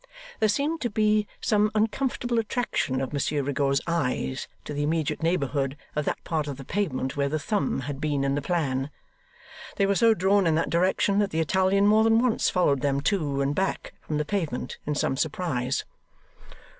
There seemed to be some uncomfortable attraction of Monsieur Rigaud's eyes to the immediate neighbourhood of that part of the pavement where the thumb had been in the plan. They were so drawn in that direction, that the Italian more than once followed them to and back from the pavement in some surprise.